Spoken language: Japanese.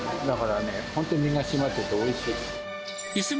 だからね、本当に身が締まってておいしい。